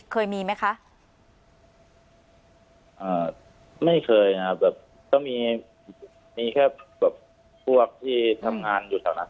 เคยมีไหมคะเอ่อไม่เคยน่ะแบบก็มีมีแค่แบบพวกที่ทำงานอยู่ทางนั้น